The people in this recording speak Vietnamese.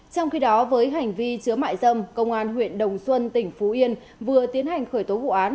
trong khi đó với hành vi chứa mại dâm công an huyện đồng xuân tỉnh phú yên vừa tiến hành khởi tố vụ án